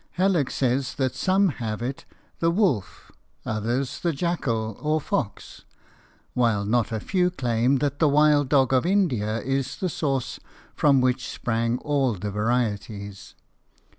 Hallock says that some have it the wolf, others the jackal or fox, while not a few claim that the wild dog of India is the source from which sprang all the varieties.